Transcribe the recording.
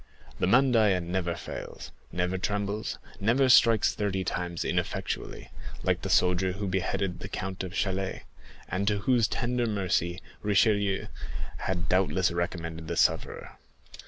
The _mandaïa_6 never fails, never trembles, never strikes thirty times ineffectually, like the soldier who beheaded the Count of Chalais, and to whose tender mercy Richelieu had doubtless recommended the sufferer.